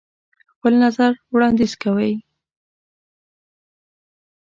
خپل نظر وړاندیز کوئ.